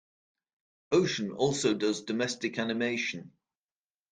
Ocean also does domestic animation.